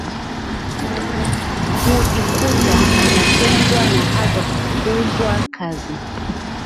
hujikuta anatengwa na hata kufukuzwa kazi